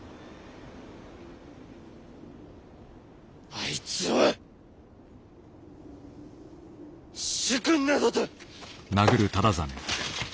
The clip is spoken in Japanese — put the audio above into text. あいつを主君などと！